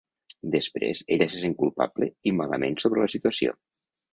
Després ella se sent culpable i malament sobre la situació.